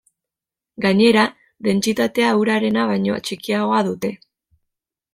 Gainera, dentsitatea urarena baino txikiagoa dute.